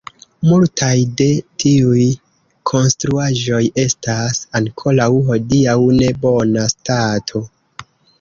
Multaj de tiuj konstruaĵoj estas ankoraŭ hodiaŭ en bona stato.